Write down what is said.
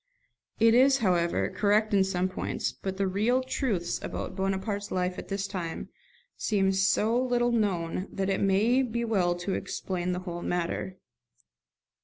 It is, however, correct in some points; but the real truths about Bonaparte's life at this time seem so little known that it may be well to explain the whole matter.